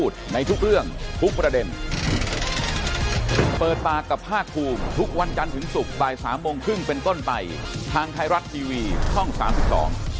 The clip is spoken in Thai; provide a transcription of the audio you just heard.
ใช่ครับทุกท่านเศรษฐีที่สุด